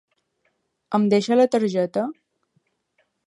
Em deixa la targeta??